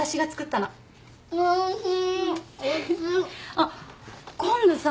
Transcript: あっ今度さ